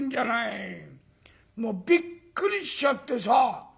もうびっくりしちゃってさ」。